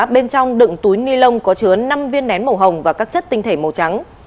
bên trong đựng túi ni lông có chứa năm viên nén màu hồng và các chất tinh thể màu trắng